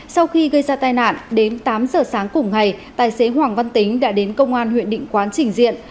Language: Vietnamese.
sau khi gây ra tai nạn đến tám giờ sáng cùng ngày tài xế hoàng văn tính đã đến công an huyện định quán trình diện